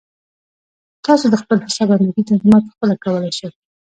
تاسو د خپل حساب امنیتي تنظیمات پخپله کولی شئ.